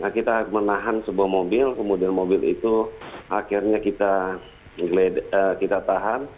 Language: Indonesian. kita menahan sebuah mobil kemudian mobil itu akhirnya kita tahan